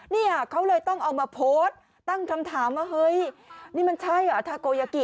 เนี่ยเขาเลยต้องเอามาโพสต์ตั้งคำถามว่าเฮ้ยนี่มันใช่เหรอทาโกยากิ